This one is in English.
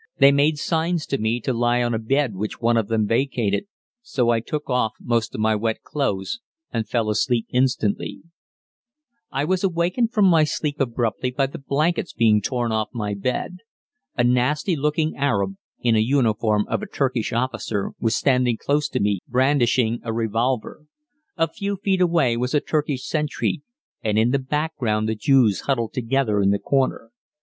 They made signs to me to lie on a bed which one of them vacated, so I took off most of my wet clothes and fell asleep instantly. I was awakened from my sleep abruptly by the blankets being torn off my bed. A nasty looking Arab, in a uniform of a Turkish officer, was standing close to me brandishing a revolver. A few feet away was a Turkish sentry, and in the background the Jews huddled together in the corner.